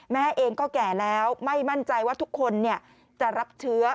แม่เองก็แก่แล้วไม่มั่นใจว่าทุกคนจะรับเชื้อ